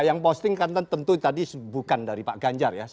yang posting kan tentu tadi bukan dari pak ganjar ya